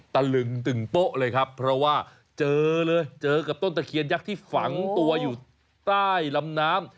ตะลึงตึงโป๊ะเลยครับเพราะว่าเจอเลยเจอกับต้นตะเคียนยักษ์ที่ฝังตัวอยู่ใต้ลำน้ำ